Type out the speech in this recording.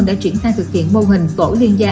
đã chuyển sang thực hiện mô hình tổ liên gia